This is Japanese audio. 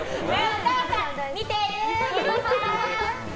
お母さん、見てる！